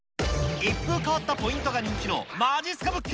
一風変わったポイントが人気の、まじっすか物件。